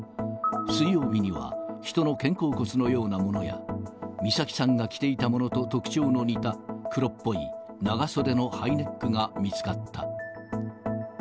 水曜日には人の肩甲骨のようなものや、美咲さんが着ていたものと特徴の似た黒っぽい長袖のハイネックが見つかった。